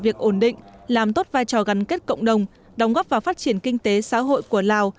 việc ổn định làm tốt vai trò gắn kết cộng đồng đóng góp vào phát triển kinh tế xã hội của lào